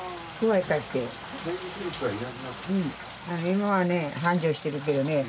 今はね繁盛してるけどね